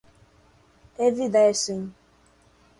evidenciem